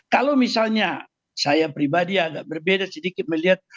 kalau misalnya saya pribadi agak berbeda sedikit melihat